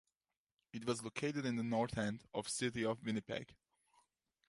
It was located in the north end of city of Winnipeg.